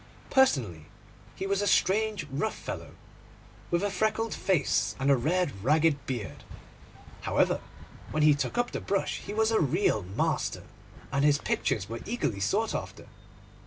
Personally he was a strange rough fellow, with a freckled face and a red ragged beard. However, when he took up the brush he was a real master, and his pictures were eagerly sought after.